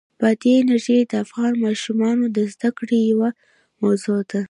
بادي انرژي د افغان ماشومانو د زده کړې یوه موضوع ده.